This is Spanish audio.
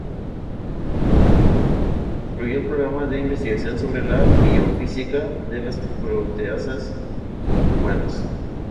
Construyó un programa de investigación sobre la biofísica de las proteasas humanas.